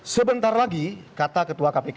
sebentar lagi kata ketua kpk